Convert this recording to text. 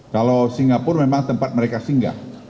kalau singapura memang tempat mereka singgah